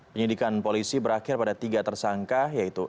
penyidikan polisi berakhir pada tiga tersangka yaitu